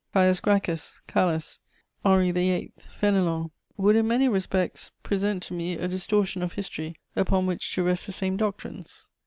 Caius Gracchus, Calas, Henri VIII, Fénelon would in many respects present sent to me a distortion of history upon which to rest the same doctrines.